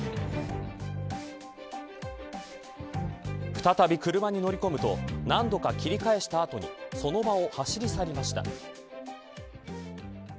再び車に乗り込むと何度か切り返した後にその場を走り去りました。